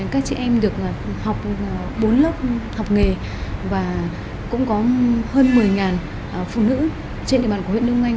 các chị em được học bốn lớp học nghề và cũng có hơn một mươi phụ nữ trên địa bàn của huyện đông anh